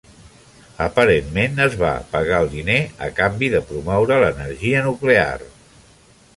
Aparentment es va pagar el diner a canvi de promoure l'energia nuclear.